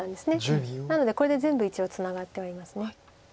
なのでこれで全部一応ツナがってはいます。